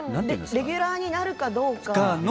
レギュラーになるかどうかの。